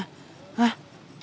di mana hah